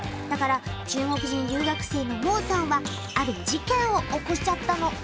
だから中国人留学生の孟さんはある事件を起こしちゃったの。